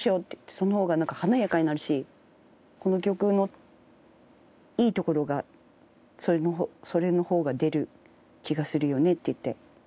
「その方がなんか華やかになるしこの曲のいいところがそれの方が出る気がするよね」って言って。